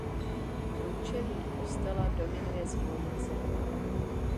Průčelí kostela dominuje zvonice.